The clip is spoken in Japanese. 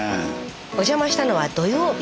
お邪魔したのは土曜日。